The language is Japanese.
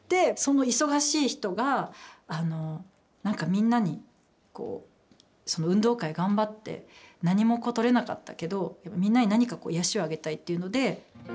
みんなに、運動会、頑張って何も取れなかったけどみんなに何か癒やしをあげたいっていうので。